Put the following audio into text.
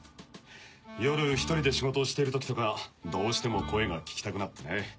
夜１人で仕事をしている時とかどうしても声が聞きたくなってね。